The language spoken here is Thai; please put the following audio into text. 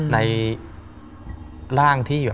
ในร่างที่